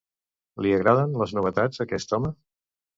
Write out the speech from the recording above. Li agraden les novetats a aquest home?